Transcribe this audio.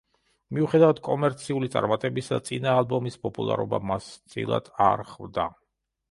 მიუხედავად კომერციული წარმატებისა, წინა ალბომის პოპულარობა მას წილად არ ხვდა.